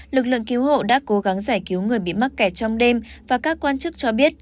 lực lượng cứu hộ đã cố gắng giải cứu người bị mắc kẹt trong đêm và các quan chức cho biết